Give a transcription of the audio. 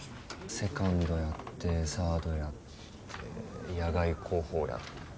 セカンドやってサードやって野外航法やって。